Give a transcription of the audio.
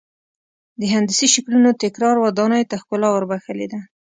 د هندسي شکلونو تکرار ودانیو ته ښکلا ور بخښلې ده.